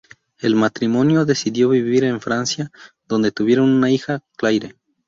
El matrimonio decidió vivir en Francia donde tuvieron una hija, Claire.